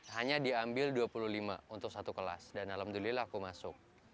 hanya diambil dua puluh lima untuk satu kelas dan alhamdulillah aku masuk